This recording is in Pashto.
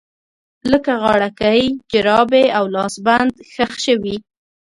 لکه غاړکۍ، جرابې او لاسبند ښخ شوي